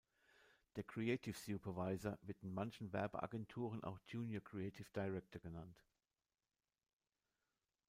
Der Creative Supervisor wird in manchen Werbeagenturen auch Junior Creative Director genannt.